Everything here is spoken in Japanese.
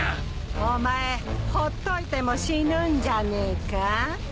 お前ほっといても死ぬんじゃねえか？